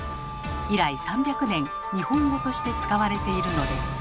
以来３００年日本語として使われているのです。